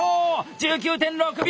１９．６秒！